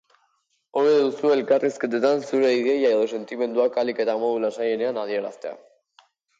Hobe duzu elkarrizketetan zure ideia edo sentimenduak ahalik eta modu lasaienean adieraztea.